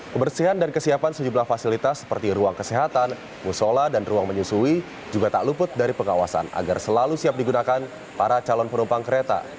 kebersihan dan kesiapan sejumlah fasilitas seperti ruang kesehatan musola dan ruang menyusui juga tak luput dari pengawasan agar selalu siap digunakan para calon penumpang kereta